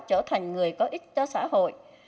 trở thành người có ích cho xã hội